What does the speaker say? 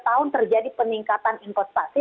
tahun terjadi peningkatan investasi